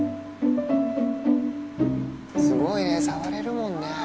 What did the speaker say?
すごいね触れるもんね。